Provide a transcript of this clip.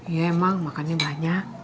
iya emang makannya banyak